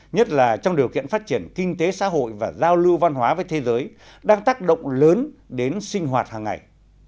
nhất là trong điều kiện phát triển kinh tế xã hội và giao lưu văn hóa với thế giới đang tác động lớn đến sinh hoạt hàng ngày